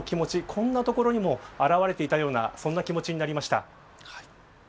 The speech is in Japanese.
こんなところにも表れていたようなそんな気持ちになりました。